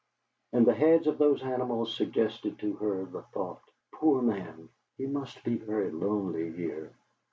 And the heads of those animals suggested to her the thought: 'Poor man! He must be very lonely here.'